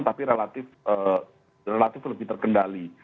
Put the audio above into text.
tapi relatif lebih terkendali